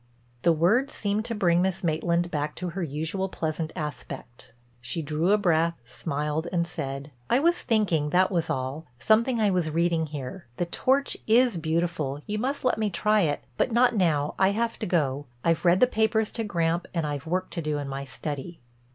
The words seemed to bring Miss Maitland back to her usual, pleasant aspect. She drew a deep breath, smiled and said: "I was thinking, that was all—something I was reading here. The torch is beautiful; you must let me try it, but not now, I have to go. I've read the papers to Gramp and I've work to do in my study."